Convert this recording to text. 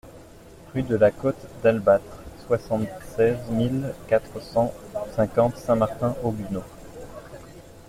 Rue de la Côte d'Albatre, soixante-seize mille quatre cent cinquante Saint-Martin-aux-Buneaux